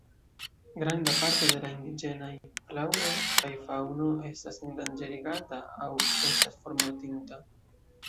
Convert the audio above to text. Granda parto de la indiĝenaj flaŭro kaj faŭno estas endanĝerigata aŭ estas formortinta.